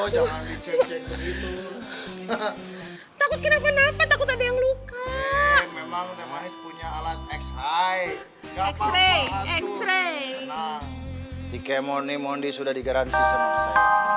takut kenapa kenapa takut ada yang luka x ray x ray ike moni moni sudah digaransi semua